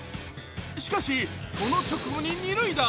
しかし、その直後に２塁打。